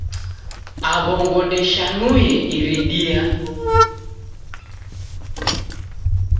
Aw'ongo ndeshanuye iridia